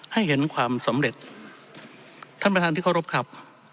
ให้เห็นความสำเร็จท่านประธานที่เคารพครับ